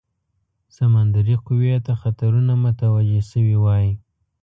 سمندري قوې ته خطرونه متوجه سوي وای.